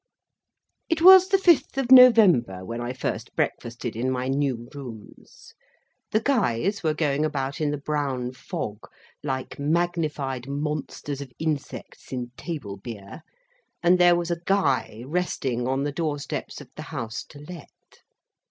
It was the fifth of November when I first breakfasted in my new rooms. The Guys were going about in the brown fog, like magnified monsters of insects in table beer, and there was a Guy resting on the door steps of the House to Let.